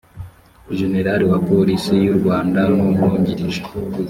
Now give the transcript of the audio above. jenerali wa polisi y u rwanda n umwungirije